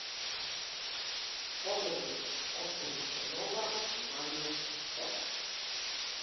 Подобро отколку со нога во малиот стомак.